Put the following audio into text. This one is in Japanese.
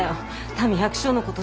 民百姓のこと